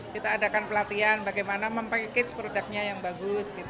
kita adakan pelatihan bagaimana mempackage produknya yang bagus